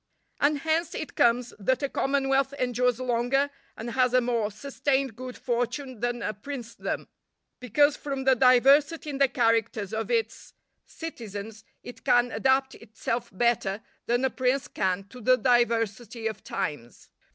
And hence it comes that a commonwealth endures longer, and has a more sustained good fortune than a princedom, because from the diversity in the characters of its citizens, it can adapt itself better than a prince can to the diversity of times.